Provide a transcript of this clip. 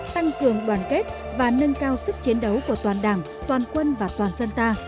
tăng cường đoàn kết và nâng cao sức chiến đấu của toàn đảng toàn quân và toàn dân ta